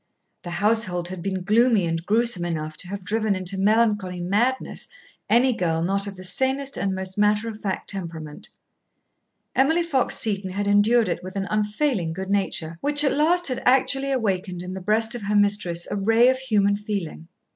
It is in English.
The household had been gloomy and gruesome enough to have driven into melancholy madness any girl not of the sanest and most matter of fact temperament. Emily Fox Seton had endured it with an unfailing good nature, which at last had actually awakened in the breast of her mistress a ray of human feeling.